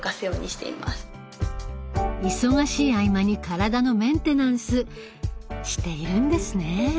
忙しい合間に体のメンテナンスしているんですね。